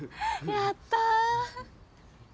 やった。